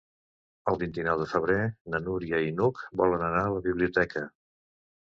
El vint-i-nou de febrer na Núria i n'Hug volen anar a la biblioteca.